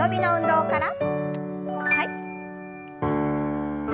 はい。